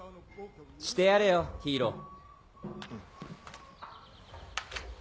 してやれよヒーロー。